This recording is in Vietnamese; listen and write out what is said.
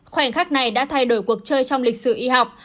khoảnh khắc này đã thay đổi cuộc chơi trong lịch sử y học